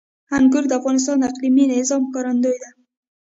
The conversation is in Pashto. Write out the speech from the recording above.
انګور د افغانستان د اقلیمي نظام ښکارندوی ده.